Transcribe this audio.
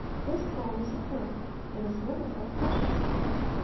— 7%w Psalm is a pearl It is little, but precious.